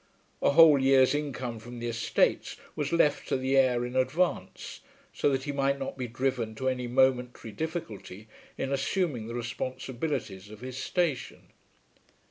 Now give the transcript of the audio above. A whole year's income from the estates was left to the heir in advance, so that he might not be driven to any momentary difficulty in assuming the responsibilities of his station.